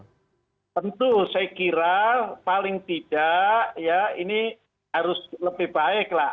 tentu saya kira paling tidak ya ini harus lebih baik lah